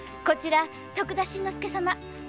こちら徳田新之助様。